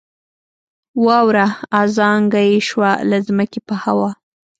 واوره ازانګه یې شوه له ځمکې په هوا